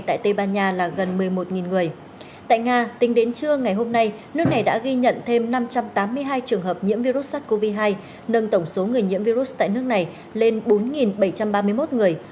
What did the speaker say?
tại nga tính đến trưa ngày hôm nay nước này đã ghi nhận thêm năm trăm tám mươi hai trường hợp nhiễm virus sát covid hai nâng tổng số người nhiễm virus tại nước này lên bốn bảy trăm ba mươi một người